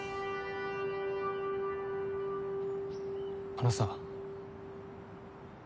あのさ。